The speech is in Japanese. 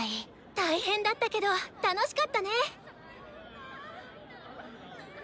大変だったけど楽しかったね！